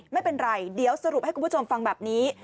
ไม่เป็นไรเดี๋ยวสรุปให้คุณผู้ชมฟังแบบนี้